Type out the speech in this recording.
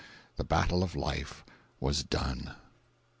The battle of life was done.